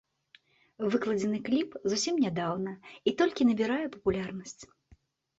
Выкладзены кліп зусім нядаўна і толькі набірае папулярнасць.